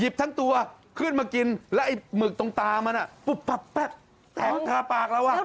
เย็บทั้งตัวขึ้นมากินและหมึกต้องตามันบุ๊บแตรงขนาดถ้าปากแล้วแหวว